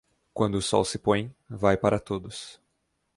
Quando o sol se põe, vai para todos.